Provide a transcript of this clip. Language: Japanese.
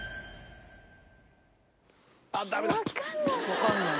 分からない